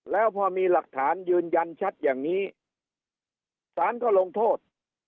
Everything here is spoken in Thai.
แล้วพอมีหลักฐานยืนยันชัดอย่างนี้สารก็ลงโทษ